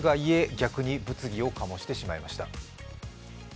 逆に物議を醸してしまいました。